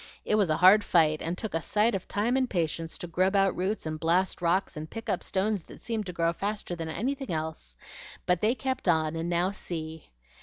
It was a hard fight, and took a sight of time and patience to grub out roots and blast rocks and pick up stones that seemed to grow faster than anything else. But they kept on, and now see!"